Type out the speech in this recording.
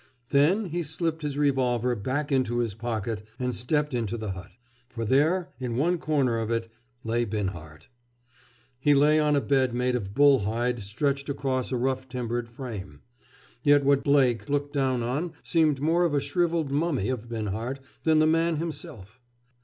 Then he slipped his revolver back into his pocket and stepped into the hut. For there, in one corner of it, lay Binhart. He lay on a bed made of bull hide stretched across a rough timbered frame. Yet what Blake looked down on seemed more a shriveled mummy of Binhart than the man himself.